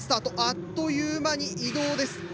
あっという間に移動です。